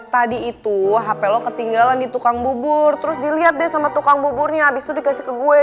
tadi itu h pelo ketinggalan di tukang bubur terus dilihat deh sama tukang buburnya abis itu dikasih ke gue